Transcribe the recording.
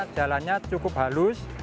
jalannya cukup halus